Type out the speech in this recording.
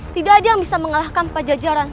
tidak ada yang bisa mengalahkan pak jajaran